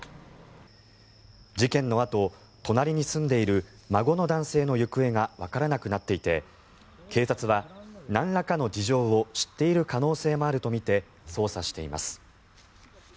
事件のあと隣に住んでいる孫の男性の行方がわからなくなっていて警察はなんらかの事情を知っている可能性もあるとみて捜査しています。